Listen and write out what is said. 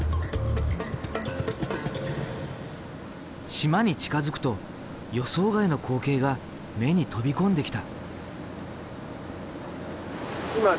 島に近づくと予想外の光景が目に飛び込んできた。